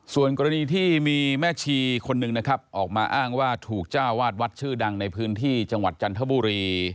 ส่วนกรณีที่มีแม่ชีคนหนึ่งนะครับออกมาอ้างว่าถูกเจ้าวาดวัดชื่อดังในพื้นที่จังหวัดจันทบุรี